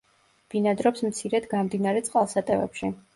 ბინადრობს მცირედ გამდინარე წყალსატევებში.